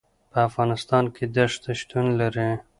په افغانستان کې دښتې شتون لري.